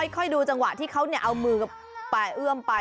ค่อยดูจังหวะที่เขาเอามือไป